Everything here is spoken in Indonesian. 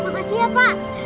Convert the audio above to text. makasih ya pak